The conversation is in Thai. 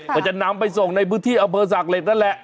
เพื่อจะนำไปส่งในพื้นที่อำเภอศาสตร์เร็ดนั่นแหละ